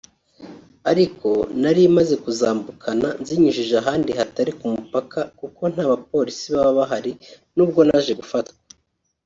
Ati “Nari maze kuzambukana nzinyujije ahandi hatari ku mupaka kuko nta bapolisi baba bahari nubwo naje gufatwa